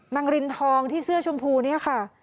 รินทองที่เสื้อชมพูเนี่ยค่ะ